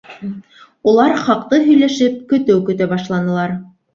Улар, хаҡты һөйләшеп, көтөү көтә башланылар.